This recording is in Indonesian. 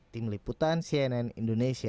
tim liputan cnn indonesia